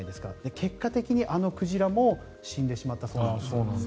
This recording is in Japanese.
結果的にあの鯨も後に死んでしまったそうなんです。